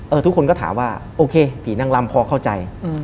ทุกคนก็ถามว่าโอเคผีนางลำพอเข้าใจ